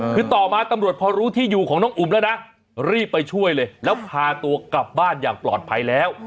คือต่อมาตำรวจพอรู้ที่อยู่ของน้องอุ๋มแล้วนะรีบไปช่วยเลยแล้วพาตัวกลับบ้านอย่างปลอดภัยแล้ว